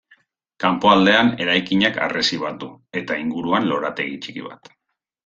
Kanpoaldean, eraikinak harresi bat du eta inguruan lorategi txiki bat.